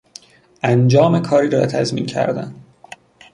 انجام کاری را تضمین کردن